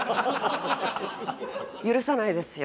許さないですよ。